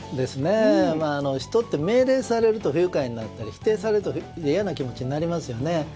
人って命令されると不愉快になったり、否定されると嫌な気持ちになりますよね。